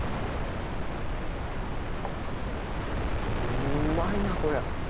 うまいなこれ。